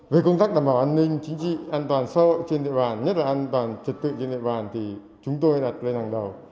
về công tác đảm bảo an ninh chính trị an toàn xã hội trên địa bàn nhất là an toàn trật tự trên địa bàn thì chúng tôi đặt lên hàng đầu